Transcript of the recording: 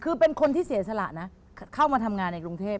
คือเป็นคนที่เสียสละนะเข้ามาทำงานในกรุงเทพ